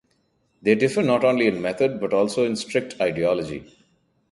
They differ not only in method, but also in strict ideology.